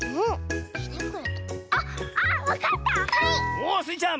おっスイちゃん！